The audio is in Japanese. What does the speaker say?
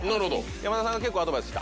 山田さんが結構アドバイスした？